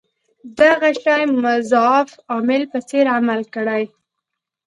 دغه شي مضاعف عامل په څېر عمل کړی.